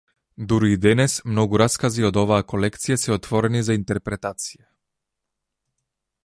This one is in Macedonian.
Дури и денес, многу раскази од оваа колекција се отворени за интерпретација.